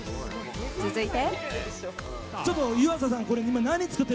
続いて。